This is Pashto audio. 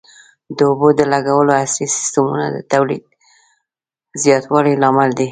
د اوبو د لګولو عصري سیستمونه د تولید زیاتوالي لامل دي.